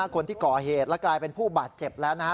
คนที่ก่อเหตุและกลายเป็นผู้บาดเจ็บแล้วนะฮะ